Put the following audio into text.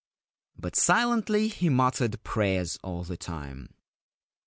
But silently he muttered prayers all the time.